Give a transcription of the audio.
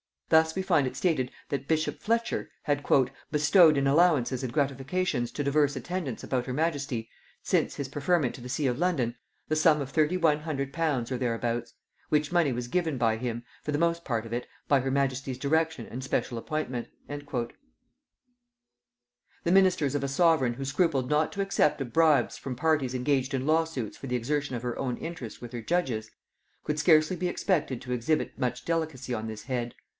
Thus we find it stated that bishop Fletcher had "bestowed in allowances and gratifications to divers attendants about her majesty, since his preferment to the see of London, the sum of thirty one hundred pounds or there abouts; which money was given by him, for the most part of it, by her majesty's direction and special appointment." [Note 122: Birch's Memoirs.] The ministers of a sovereign who scrupled not to accept of bribes from parties engaged in law suits for the exertion of her own interest with her judges, could scarcely be expected to exhibit much delicacy on this head.